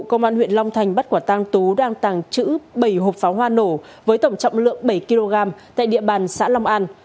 công an huyện long thành bắt quả tang tú đang tàng trữ bảy hộp pháo hoa nổ với tổng trọng lượng bảy kg tại địa bàn xã long an